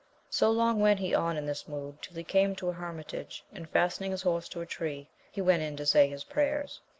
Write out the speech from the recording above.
So long went he on in this mood till he came to a hermitage, and fastening his horse to a tree, he went in to say his prayers.